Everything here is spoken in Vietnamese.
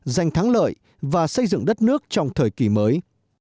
giành thắng lợi và xây dựng đất nước trong thời kỳ mới